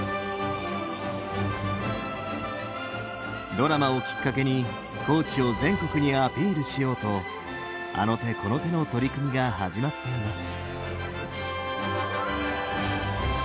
ドラマをきっかけに高知を全国にアピールしようとあの手この手の取り組みが始まっています。